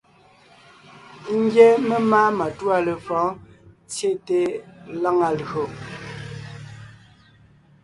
Ńgyɛ́ memáa matûa lefɔ̌ɔn tsyete lǎŋa lÿò.